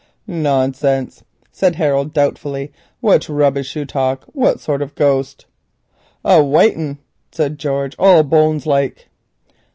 "Nonsense," said Harold doubtfully. "What rubbish you talk. What sort of a ghost?" "A white un," said George, "all bones like."